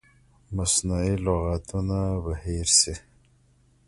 مصنوعي لغتونه به هیر شي.